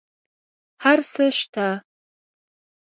هر څه شته